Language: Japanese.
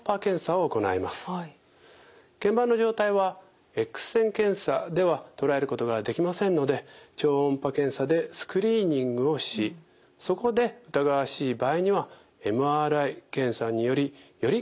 けん板の状態はＸ線検査では捉えることができませんので超音波検査でスクリーニングをしそこで疑わしい場合にはＭＲＩ検査によりより